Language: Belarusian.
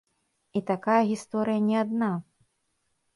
І такая гісторыя не адна.